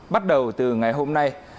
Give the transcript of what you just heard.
bắt đầu từ ngày hôm nay